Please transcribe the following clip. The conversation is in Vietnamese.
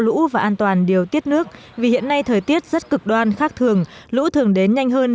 lũ và an toàn điều tiết nước vì hiện nay thời tiết rất cực đoan khác thường lũ thường đến nhanh hơn